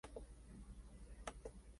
Son como cientos de estratos.